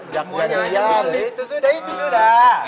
semuanya aja itu sudah itu sudah